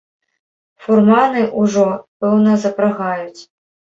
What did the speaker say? Фурманы ўжо, пэўна, запрагаюць.